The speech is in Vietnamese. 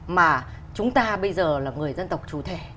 mà chúng ta bây giờ là người dân tộc trù thể